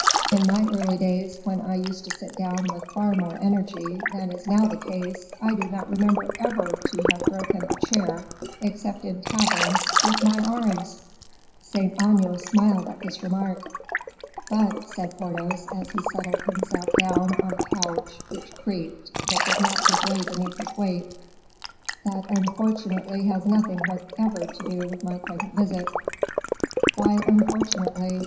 In my early days, when I used to sit down with far more energy than is now the case, I do not remember ever to have broken a chair, except in taverns, with my arms." Saint Aignan smiled at this remark. "But," said Porthos, as he settled himself down on a couch, which creaked, but did not give way beneath his weight, "that unfortunately has nothing whatever to do with my present visit." "Why unfortunately?